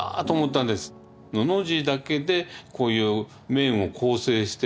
のの字だけでこういう面を構成してる。